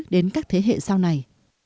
đến các thế hệ sau này